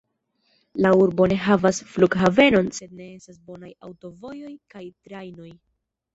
La urbo ne havas flughavenon, sed estas bonaj aŭtovojoj kaj trajnoj.